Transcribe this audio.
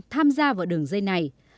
tham gia vào đường dây này